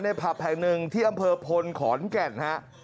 ผับแห่งหนึ่งที่อำเภอพลขอนแก่นฮะ